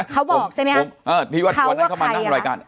เขาบอกใช่ไหมครับที่ว่าวันนั้นเขามานั่งรายการ